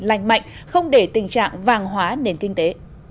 lành mạnh không để tình trạng vàng hóa nền kinh tế